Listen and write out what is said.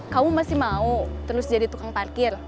kamu masih mau terus jadi tukang parkir